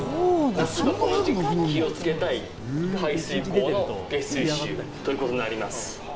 夏場は気をつけたい排水口の下水臭ということになります。